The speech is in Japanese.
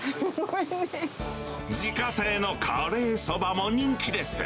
自家製のカレーそばも人気です。